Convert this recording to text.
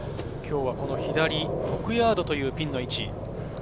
左６ヤードというピンの位置。